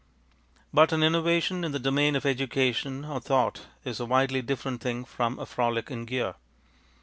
But an innovation in the domain of education or thought is a widely different thing from a frolic in gear.